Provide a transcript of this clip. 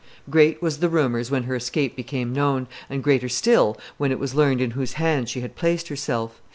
Great was the rumors when her escape became known, and greater still when it was learned in whose hands she had placed herself.